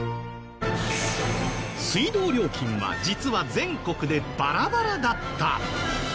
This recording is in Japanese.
水道料金は実は全国でバラバラだった！